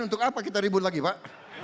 untuk apa kita ribut lagi pak